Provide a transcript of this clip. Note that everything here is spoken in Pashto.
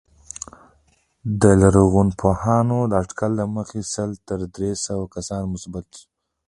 د لرغونپوهانو د اټکل له مخې سل تر درې سوه کسان مېشت وو